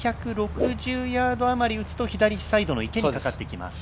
２６０ヤードあまり打つと左サイドの池にかかってきます。